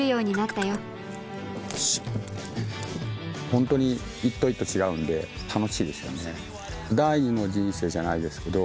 ホントに一頭一頭違うんで楽しいですよね。